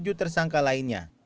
tujuh tersangka lainnya